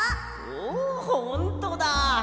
おおほんとだ。